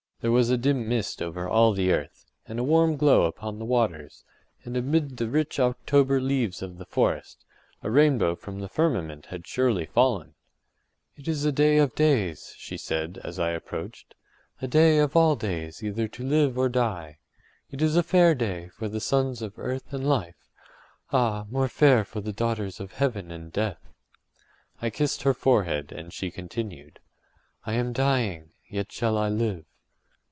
There was a dim mist over all the earth, and a warm glow upon the waters, and amid the rich October leaves of the forest, a rainbow from the firmament had surely fallen. “It is a day of days,” she said, as I approached; “a day of all days either to live or die. It is a fair day for the sons of earth and life—ah, more fair for the daughters of heaven and death!” I kissed her forehead, and she continued: “I am dying, yet shall I live.